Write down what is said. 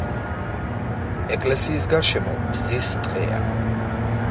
ეკლესიის გარშემო ბზის ტყეა.